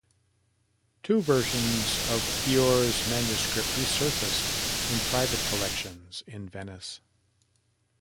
Two versions of Fiore's manuscript re-surfaced in private collections in Venice.